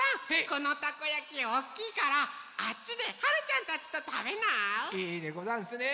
このたこやきおっきいからあっちではるちゃんたちとたべない？いいでござんすね！